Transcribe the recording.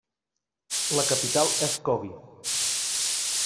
La capital és Kobe.